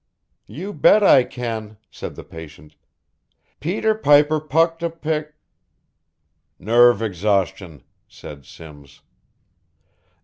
"You bet I can," said the patient. "'Peter Piper pucked a pick'" "Nerve exhaustion," said Simms.